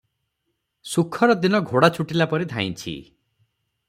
ସୁଖର ଦିନ ଘୋଡ଼ା ଛୁଟିଲା ପରି ଧାଇଁଛି ।